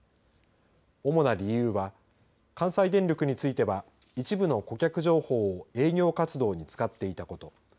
主な理由は関西電力については一部の顧客情報を営業活動に使っていたこと。